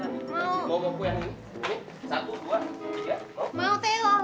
satu dua tiga